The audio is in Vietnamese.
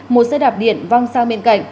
một xe đạp điện vong sang bên cạnh